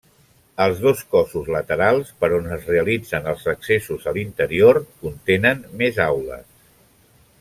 Els dos cossos laterals, per on es realitzen els accessos a l'interior, contenen més aules.